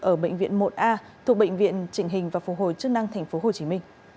ở bệnh viện một a thuộc bệnh viện trịnh hình và phục hồi chức năng tp hcm